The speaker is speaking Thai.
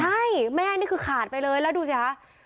ใช่แม่นี่คือขาดไปเลยแล้วดูสิคะ